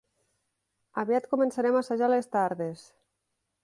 Aviat començarem a assajar a les tardes.